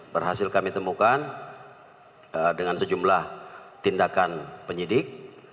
berhasil kami temukan dengan sejumlah tindakan penyidik